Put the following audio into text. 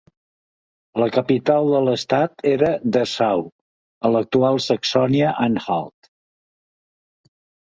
La capital de l'estat era Dessau, a l'actual Saxònia-Anhalt.